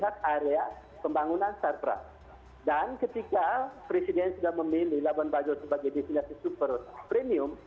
area pembangunan sarana dan ketika presiden sudah memilih labuan bajo sebagai desinasi super premium